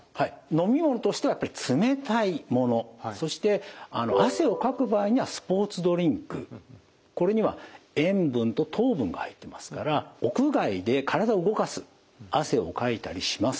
飲み物としてはやっぱり冷たいものそしてこれには塩分と糖分が入ってますから屋外で体を動かす汗をかいたりします。